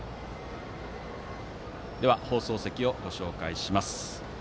放送席をご紹介します。